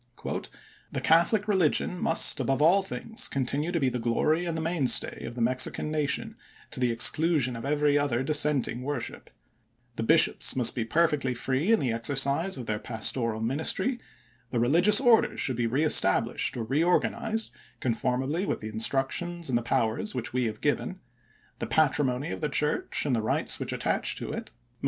" The Catholic religion must, above all things, continue to be the glory and the mainstay of the Mexican nation to the exclusion of every other dissenting worship ; the bishops must be per fectly free in the exercise of their pastoral ministry ; the religious orders should be reestablished or reorganized conformably with the instructions and the powers which we have given ; the patrimony of the church and the rights which attach to it must Vol.